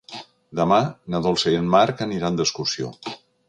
Demà na Dolça i en Marc aniran d'excursió.